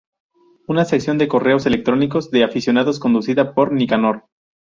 Una sección de correos electrónicos de aficionados conducida por Nicanor.